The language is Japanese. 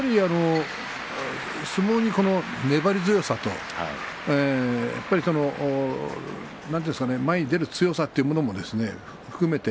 相撲に粘り強さと前に出る強さというのも含めて